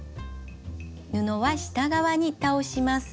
布は下側に倒します。